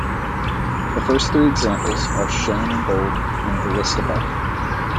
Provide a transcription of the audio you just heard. The first three examples are shown in bold in the list above.